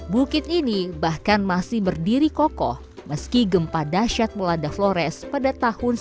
bukit ini bahkan masih berdiri kokoh meski gempa dasyat melanda flores pada tahun seribu sembilan ratus sembilan puluh